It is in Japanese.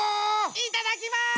いただきます！